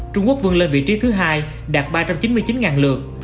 trung quốc vương lên vị trí thứ hai đạt ba trăm chín mươi chín lượt